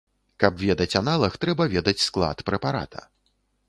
Каб ведаць аналаг, трэба ведаць склад прэпарата.